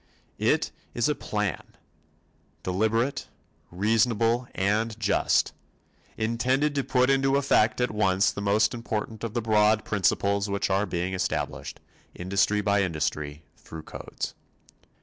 It is a plan deliberate, reasonable and just intended to put into effect at once the most important of the broad principles which are being established, industry by industry, through codes.